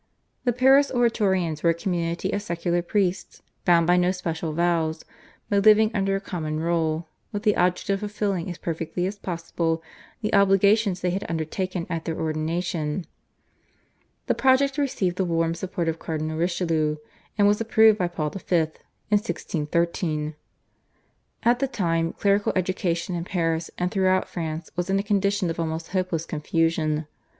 The Paris Oratorians were a community of secular priests bound by no special vows, but living under a common rule with the object of fulfilling as perfectly as possible the obligations they had undertaken at their ordination. The project received the warm support of Cardinal Richelieu and was approved by Paul V. in 1613. At the time clerical education in Paris and throughout France was in a condition of almost hopeless confusion.